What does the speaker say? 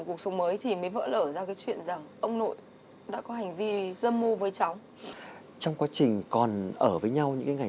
tôi mới phát hiện là cái chuyện của con đâu như thế này